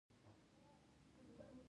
بنيادي يا پرائمري سر درد